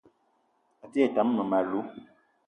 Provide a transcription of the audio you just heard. A te ngne tam mmem- alou